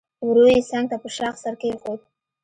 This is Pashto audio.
ورو يې څنګ ته په شاخ سر کېښود.